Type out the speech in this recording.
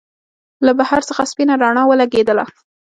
له بهر څخه سپينه رڼا ولګېدله.